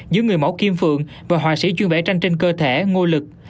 giữa người mẫu kim phượng và họa sĩ chuyên vẽ tranh trên cơ thể ngô lực